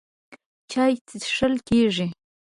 چای څښل کېږي.